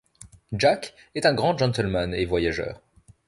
Jack est un grand gentleman et voyageur.